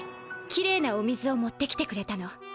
きれいなお水を持ってきてくれたの。